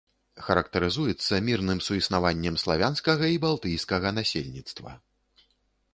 Характарызуецца мірным суіснаваннем славянскага і балтыйскага насельніцтва.